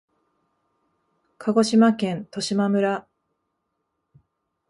鹿児島県十島村